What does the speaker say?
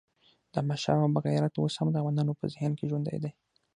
د احمدشاه بابا غیرت اوس هم د افغانانو په ذهن کې ژوندی دی.